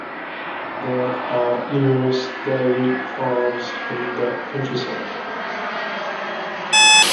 There are numerous dairy farms in the countryside.